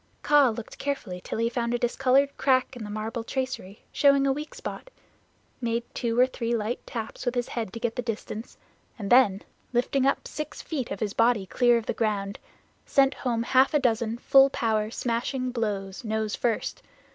Kaa looked carefully till he found a discolored crack in the marble tracery showing a weak spot, made two or three light taps with his head to get the distance, and then lifting up six feet of his body clear of the ground, sent home half a dozen full power smashing blows, nose first.